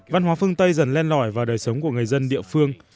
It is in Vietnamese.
văn hóa phương tây dần lên lỏi vào đời sống của người dân địa phương